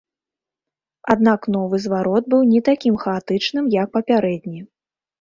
Аднак новы зварот быў не такім хаатычным, як папярэдні.